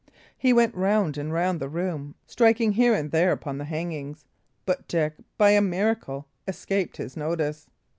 He went round and round the room, striking here and there upon the hangings; but Dick, by a miracle, escaped his notice.